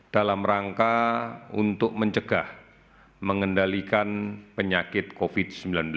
dalam rangka untuk mencegah mengendalikan penyakit covid sembilan belas